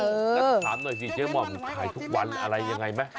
เออถามหน่อยสิเจ๊หม่อมขายทุกวันอะไรยังไงมั้ย